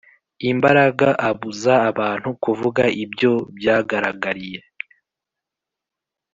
imbaraga abuza abantu kuvuga. ibyo byagaragariye i